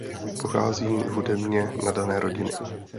Pochází z hudebně nadané rodiny.